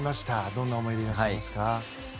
どんな思いでいらっしゃいますか？